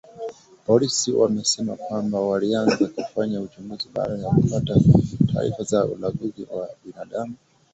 Polisi wamesema kwamba walianza kufanya uchunguzi baada ya kupata taarifa za ulanguzi wa binadamu